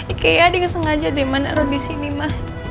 ikea dengan sengaja mana roy disini ma